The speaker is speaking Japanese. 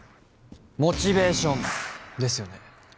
モチベーションですよね？